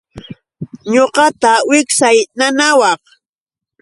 Ñuqata wiksay nanawaq.